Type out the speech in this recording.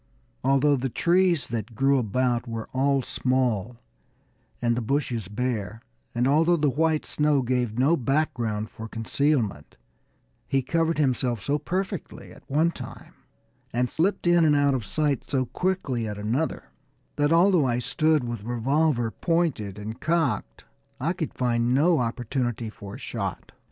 Although the trees that grew about were all small and the bushes bare, and although the white snow gave no background for concealment, he covered himself so perfectly at one time, and slipped in and out of sight so quickly at another, that although I stood with revolver pointed and cocked, I could find no opportunity for a shot.